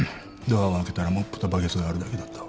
ドアを開けたらモップとバケツがあるだけだった。